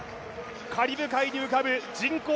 カリブ海に浮かぶ人口